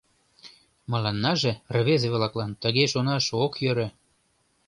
Мыланнаже, рвезе-влаклан, тыге шонаш ок йӧрӧ.